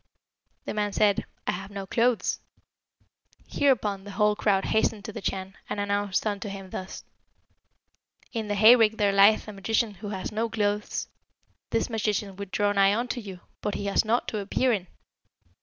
The man said, 'I have no clothes.' Hereupon the whole crowd hastened to the Chan, and announced unto him thus: 'In the hayrick there lieth a magician who has no clothes. This magician would draw nigh unto you, but he has nought to appear in.'